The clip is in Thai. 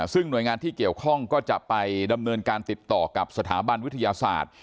ซึ่งหน่วยงานที่เกี่ยวข้องก็จะไปดำเนินการติดต่อกับสถาบันวิทยาศาสตร์